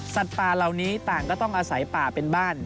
ป่าเหล่านี้ต่างก็ต้องอาศัยป่าเป็นบ้าน